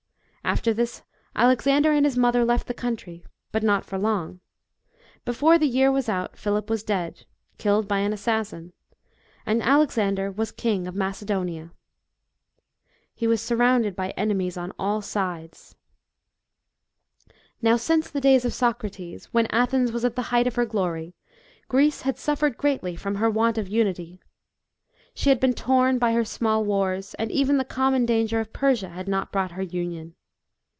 After this, Alexander and his mother left the country. But not for long. Before the year was out Philip was dead killed by an assassin and Alexander wai king of Macedonia. He was surrounded by enemies on all sides. Now, since the days of Socrates, when Athens B.C. 336.] ADVICE OF DEMOSTHENES. 137 was at the height of her glory, Greece had suffered greatly from her want of unity. She had been torn by her small wars, and even the common danger of Persia had not brought her union.